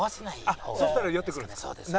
そしたら寄ってくるんですか？